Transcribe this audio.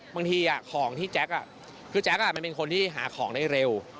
บางทีของที่แจ๊คคือแจ๊คมันเป็นคนที่หาของได้เร็ว